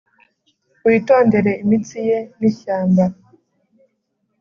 witondere imitsi ye n'ishyamba -